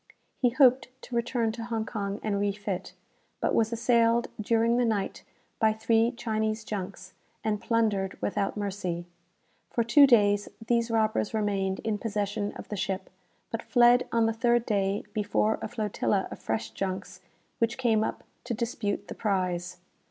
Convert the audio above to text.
He hoped to return to Hong Kong and refit, but was assailed during the night by three Chinese junks, and plundered without mercy. For two days these robbers remained in possession of the ship; but fled on the third day before a flotilla of fresh junks which came up to dispute the prize.